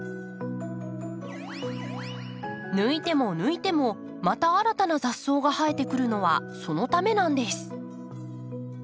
抜いても抜いてもまた新たな雑草が生えてくるのはそのためなんです。